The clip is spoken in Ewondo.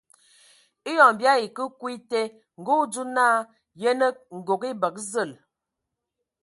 Eyon bii ayi ke kwi a ete, ngə o dzo naa :Yənə, ngɔg e bəgə zəl !